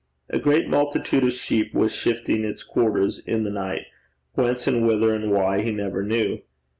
A great multitude of sheep was shifting its quarters in the night, whence and whither and why he never knew.